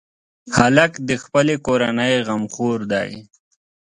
هلک د خپلې کورنۍ غمخور دی.